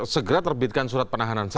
segera terbitkan surat penahanan saja